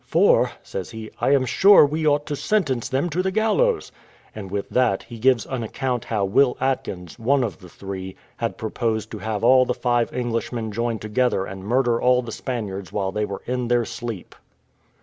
"For," says he, "I am sure we ought to sentence them to the gallows;" and with that he gives an account how Will Atkins, one of the three, had proposed to have all the five Englishmen join together and murder all the Spaniards when they were in their sleep.